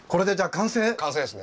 完成ですね。